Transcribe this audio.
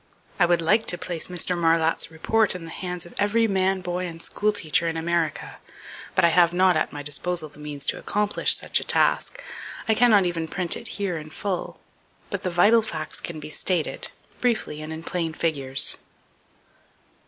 I would like to place Mr. Marlatt's report in the hands of every man, boy and school teacher in America; but I have not at my disposal the means to accomplish such a task. I cannot even print it here in full, but the vital facts can be stated, briefly and in plain figures.